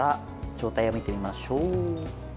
状態を見てみましょう。